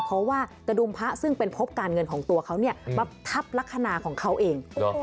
เพราะว่ากระดุมพระซึ่งเป็นพบการเงินของตัวเขามาทับลักษณะของเขาเอง